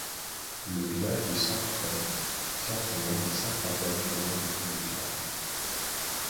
Le village de Cinq-Fonts tient son nom des cinq fontaines présentes autour du village.